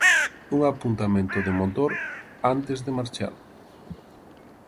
Un apuntamento de motor antes de marchar.